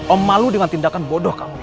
om malu dengan tindakan bodoh kamu